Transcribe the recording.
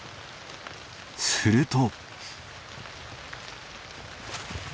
すると。